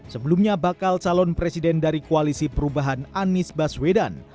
sebelumnya bakal calon presiden dari koalisi perubahan anies baswedan